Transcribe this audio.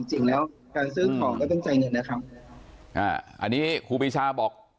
จริงแล้วการซื้อของก็ต้องจ่ายเงินนะครับอ่าอันนี้ครูปีชาบอก